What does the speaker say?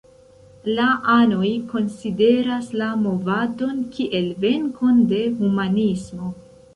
La anoj konsideras la movadon kiel venkon de humanismo.